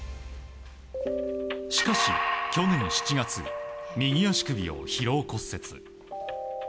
しかし、去年７月右足首を疲労骨折。